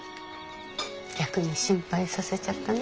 逆に心配させちゃったね。